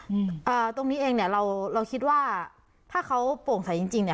อืมอ่าตรงนี้เองเนี้ยเราเราคิดว่าถ้าเขาโปร่งใสจริงจริงเนี้ย